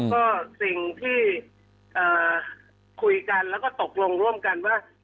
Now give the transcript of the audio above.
ก็สิ่งที่คุยกันแล้วก็ตกลงร่วมกันว่า